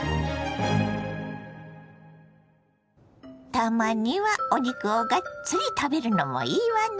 たまにはお肉をがっつり食べるのもいいわね。